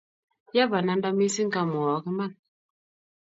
Ya bananda mising ngamwowok iman